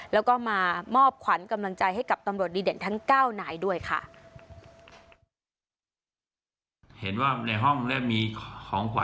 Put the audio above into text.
แล้วก็มามอบขวัญกำลังใจให้กับตำรวจดีเด่นทั้ง๙นายด้วยค่ะ